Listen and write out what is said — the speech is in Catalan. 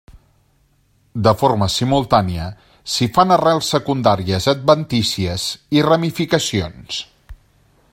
De forma simultània s'hi fan arrels secundàries adventícies i ramificacions.